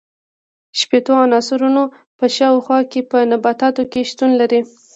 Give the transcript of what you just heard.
شپیتو عنصرونو په شاوخوا کې په نباتاتو کې شتون لري.